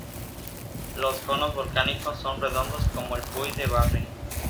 Los conos volcánicos son redondos como el Puy de Barry.